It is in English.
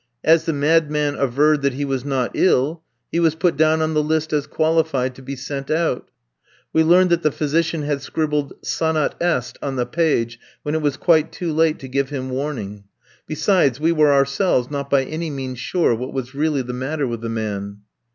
As the madman averred that he was not ill, he was put down on the list as qualified to be sent out. We learned that the physician had scribbled "Sanat. est" on the page, when it was quite too late to give him warning. Besides, we were ourselves not by any means sure what was really the matter with the man.